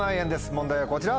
問題はこちら！